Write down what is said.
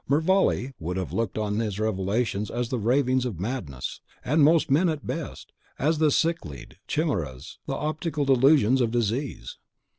Mervale would have looked on his revelations as the ravings of madness, and most men, at best, as the sicklied chimeras, the optical delusions, of disease.